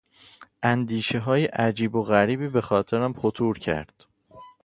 اندیشههای عجیب و غریبی به خاطرم خطور کرد.